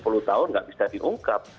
pak sby sepuluh tahun nggak bisa diungkap